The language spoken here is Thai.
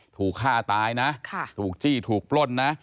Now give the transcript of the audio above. ถูกฆ่าตายนะถูกจี้ถูกปล้นนะ